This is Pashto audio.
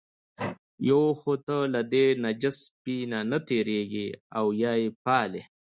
یو خو ته له دې نجس سپي نه تېرېږې او یې پالې.